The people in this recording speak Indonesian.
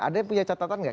ada yang punya catatan nggak